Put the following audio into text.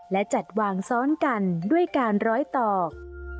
และจัดวางซ้อนกันด้วยการร้อยตอก